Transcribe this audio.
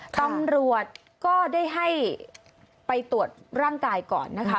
ตำรวจก็ได้ให้ไปตรวจร่างกายก่อนนะคะ